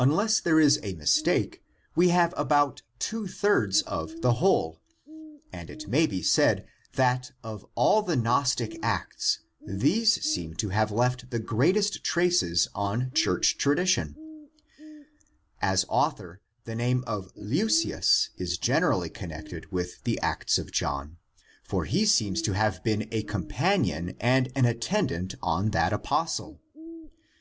Unless there is a mistake, we have about two thirds of the whole, and it may be said that of all the Gnostic Acts these seem to have left the greatest traces on Church tradition. As author the name of Leucius is generally connected with the Acts of John, for he seems to have been a companion and an attendant on that apostle (comp. c. 18 ff., 60 62, 72, III, 115).